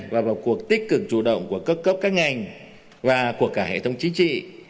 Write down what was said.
và vào cuộc tích cực chủ động của các cấp các ngành và của cả hệ thống chính trị